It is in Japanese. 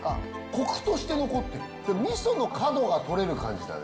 コクとして残ってる味噌の角が取れる感じだね